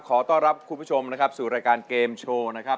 ขอต้อนรับคุณผู้ชมนะครับสู่รายการเกมโชว์นะครับ